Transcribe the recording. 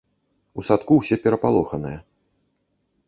У садку ўсе перапалоханыя.